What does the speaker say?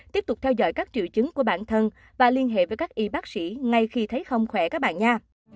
tiếp tục theo dõi các triệu chứng của bản thân và liên hệ với các y bác sĩ ngay khi thấy không khỏe các bạn nha